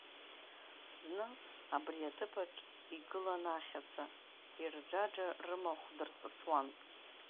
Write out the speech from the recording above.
Зны абри аҭыԥаҿ игылан ахьаца, ирџаџа рымахә дырҵысуан.